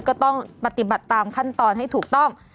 ก็ต้องปฏิบัติตามขั้นตอนให้ถูกต้อง